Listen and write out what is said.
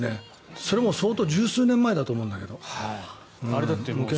それも相当、１０数年前だと思うんだけど、健在。